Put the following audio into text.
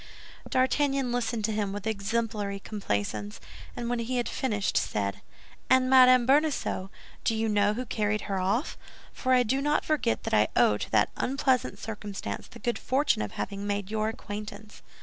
D'Artagnan listened to him with exemplary complaisance, and when he had finished said, "And Madame Bonacieux, do you know who carried her off?—For I do not forget that I owe to that unpleasant circumstance the good fortune of having made your acquaintance."